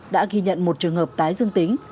đã ghi nhận một trường hợp tái dương tính